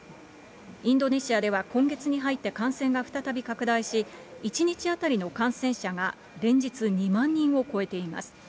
インドネシアでは今月に入って感染が再び拡大し、１日当たりの感染者が連日２万人を超えています。